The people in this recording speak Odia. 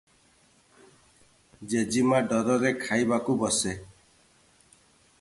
ଜେଜୀମା’ ଡରରେ ଖାଇବାକୁ ବସେ ।